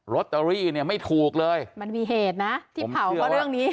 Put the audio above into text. ตเตอรี่เนี่ยไม่ถูกเลยมันมีเหตุนะที่เผาก็เรื่องนี้